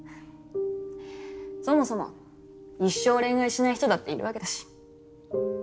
そもそも一生恋愛しない人だっているわけだし。